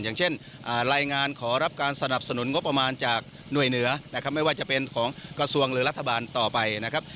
อย่างเช่นรายงานขอรับการสนับสนุนงบประมาณจากหน่วยเหนือนะครับไม่ว่าจะเป็นของกระทรวงหรือรัฐบาลต่อไปนะครับ